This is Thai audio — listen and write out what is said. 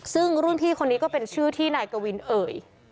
ซึ่งรุ่นพี่คนนี้ก็เป็นชื่อที่นายกวินเอ่ย